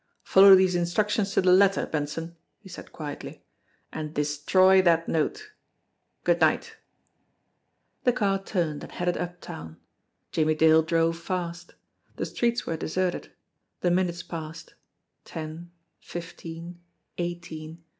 "Follow these instructions to the letter, Ben son," he said quietly, "And destroy that note. Good night." 212 JIMMIE DALE AND THE PHANTOM CLUE The car turned and headed uptown. Jimmie Dale drove fast. The streets were deserted. The minutes passed ten, fifteen, eighteen.